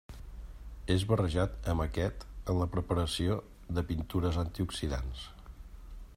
És barrejat amb aquest en la preparació de pintures antioxidants.